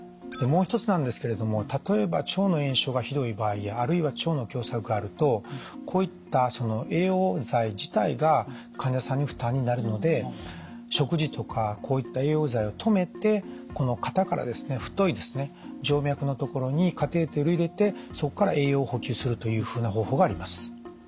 もう一つなんですけれども例えば腸の炎症がひどい場合やあるいは腸の狭窄があるとこういった栄養剤自体が患者さんに負担になるので食事とかこういった栄養剤を止めてこの肩からですね太い静脈の所にカテーテルを入れてそこから栄養補給するというふうな方法があります。